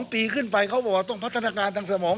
ปีขึ้นไปเขาบอกว่าต้องพัฒนาการทางสมอง